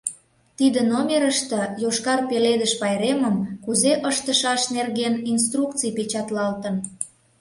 Тиде номерыште Йошкар Пеледыш пайремым кузе ыштышаш нерген инструкций печатлалтын.